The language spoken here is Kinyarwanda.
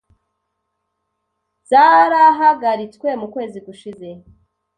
zarahagaritswe mu kwezi gushize